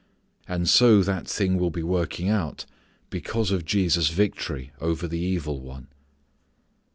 And so that thing will be working out because of Jesus' victory over the evil one.